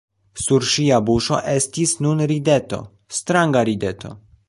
Sur ŝia buŝo estis nun rideto, stranga rideto!